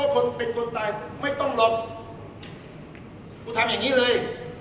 คนเป็นคนตายไม่ต้องรอกูทำอย่างนี้เลย